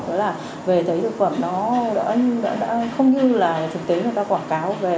đó là về thấy thực phẩm nó đã không như là thực tế người ta quảng cáo về